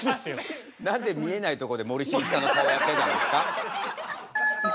なぜ見えないとこで森進一さんの顔やってたんですか？